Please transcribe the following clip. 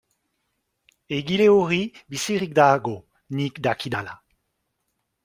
Egile hori bizirik dago, nik dakidala.